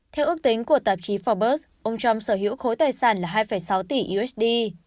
theo ước tính của tạp chí forbes ông trump sở hữu khối tài sản là hai sáu tỷ usd